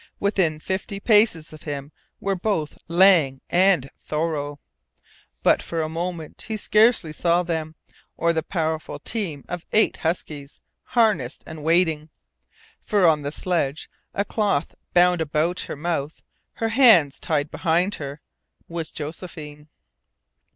Within fifty paces of him were both Lang and Thoreau. But for a moment he scarcely saw them, or the powerful team of eight huskies, harnessed and waiting. For on the sledge, a cloth bound about her mouth, her hands tied behind her, was Josephine!